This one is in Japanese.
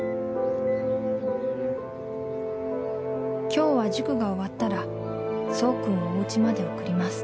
「今日は塾が終わったら爽君をおうちまで送ります」